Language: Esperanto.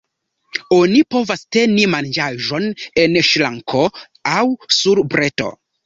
Oni povas teni manĝaĵon en ŝranko aŭ sur breto.